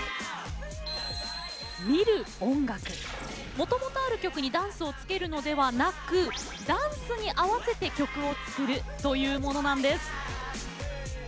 もともとある曲にダンスを付けるのではなくダンスに合わせて曲を作るというものなんです。